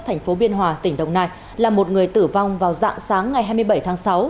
thành phố biên hòa tỉnh đồng nai là một người tử vong vào dạng sáng ngày hai mươi bảy tháng sáu